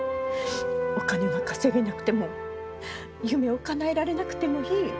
お金が稼げなくても夢をかなえられなくてもいい。